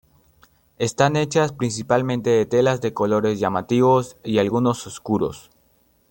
Están hechas principalmente de telas de colores llamativos y algunos oscuros.